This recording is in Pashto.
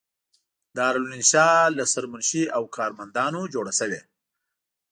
دارالانشأ له سرمنشي او کارمندانو جوړه شوې.